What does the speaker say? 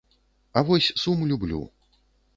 А вось сум люблю.